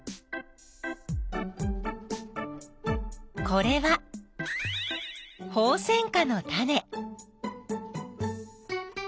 これはホウセンカのタネ。